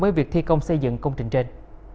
với việc thi công xây dựng công trình trên